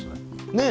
ねえ。